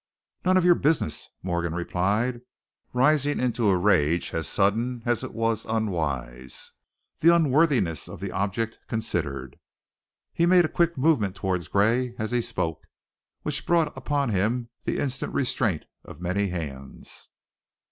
"None of your business!" Morgan replied, rising into a rage as sudden as it was unwise, the unworthiness of the object considered. He made a quick movement toward Gray as he spoke, which brought upon him the instant restraint of many hands.